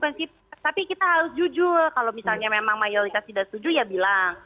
tapi kita harus jujur kalau misalnya memang mayoritas tidak setuju ya bilang